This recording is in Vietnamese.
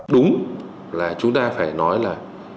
đúng là chúng ta phải nói là